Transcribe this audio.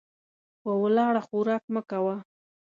په ولاړه خوراک مه کوه .